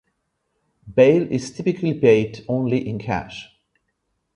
Bail is typically paid only in cash.